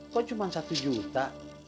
kok cuma satu juta